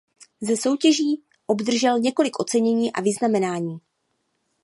Ze soutěží obdržel několik ocenění a vyznamenání.